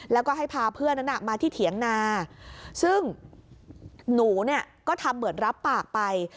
แล้วก็ให้พาเพื่อนนั้นมาที่เถียงนาซึ่งหนูเนี่ยก็ทำเหมือนรับปากไป